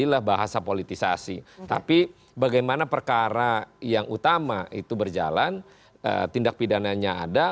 inilah bahasa politisasi tapi bagaimana perkara yang utama itu berjalan tindak pidananya ada